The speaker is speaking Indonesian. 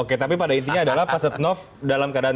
oke tapi pada intinya adalah